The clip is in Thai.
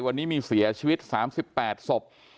วันนี้มีเสียชีวิต๓๘ศพ